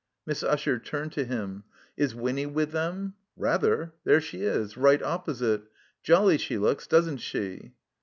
Miss Usher turned to him. "Is Winny with them?" "Rather. There she is. Right opposite. JoHy she looks, doesn't she?"